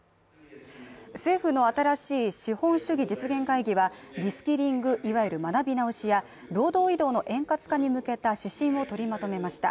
政府の新しい資本主義実現会議はリスキリングいわゆる学び直しや労働移動の円滑化に向けた指針を取りまとめました。